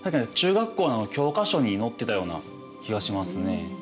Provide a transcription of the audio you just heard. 中学校の教科書に載ってたような気がしますね。